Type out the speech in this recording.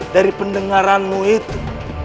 dari pendengaranmu itu